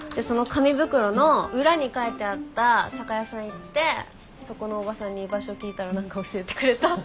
その紙袋の裏に書いてあった酒屋さん行ってそこのおばさんに場所聞いたら何か教えてくれた。